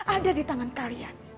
ada di tangan kalian